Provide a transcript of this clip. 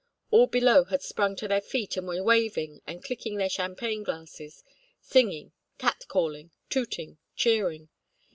All below had sprung to their feet and were waving and clicking their champagne glasses, singing, catcalling, tooting, cheering.